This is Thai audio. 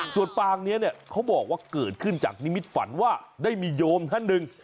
ส่วนปางนี้เนี่ยเขาบอกว่าเกิดขึ้นจากนิมิตฝันว่าได้มีโยมท่านหนึ่ง